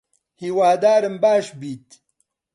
هیوادارم باش بیت